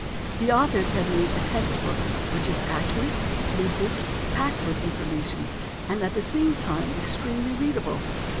The authors have made a text book which is accurate, lucid, packed with information, and, at the same time, extremely readable.